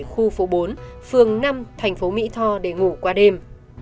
khu phố bốn phường năm thành phố mỹ tho để ngủ qua đêm